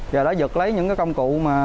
và đã giật lấy những công cụ